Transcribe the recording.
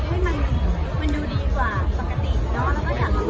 สุดใหญ่เป็นงานการจับอะไรไงุข